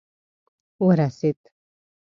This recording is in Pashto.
ورسېد.